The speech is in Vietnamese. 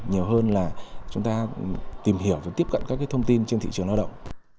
nhiều hơn là chúng ta tìm hiểu và tiếp cận các thông tin trên thị trường lao động